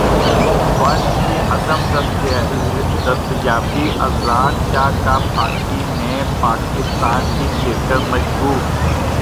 funds کی عدم دستیابی اذلان شاہ کپ ہاکی میں پاکستان کی شرکت مشکوک